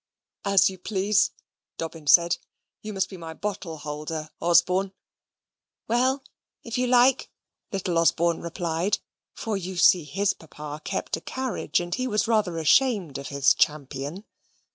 "As you please," Dobbin said. "You must be my bottle holder, Osborne." "Well, if you like," little Osborne replied; for you see his papa kept a carriage, and he was rather ashamed of his champion.